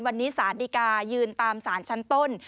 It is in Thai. วันนี้สารดีกายืนตามสารชั้นต้น